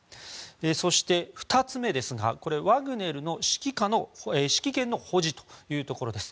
そして２つ目、ワグネルの指揮権の保持というところです。